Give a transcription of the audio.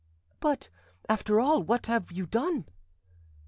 "But, after all, what have you done?"